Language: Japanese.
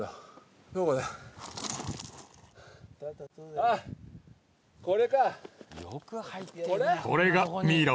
あっこれかこれ？